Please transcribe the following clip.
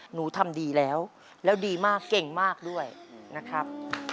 หนูทำดีแล้วแล้วดีมากเก่งมากด้วยนะครับ